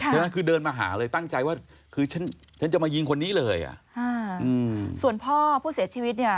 นั่นคือเดินมาหาเลยตั้งใจว่าคือฉันฉันจะมายิงคนนี้เลยอ่ะอืมส่วนพ่อผู้เสียชีวิตเนี่ย